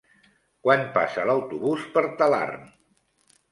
Quan passa l'autobús per Talarn?